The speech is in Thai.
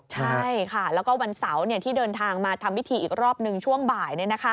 ใช่ค่ะแล้วก็วันเสาร์ที่เดินทางมาทำพิธีอีกรอบหนึ่งช่วงบ่าย